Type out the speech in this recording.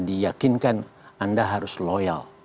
diakinkan anda harus loyal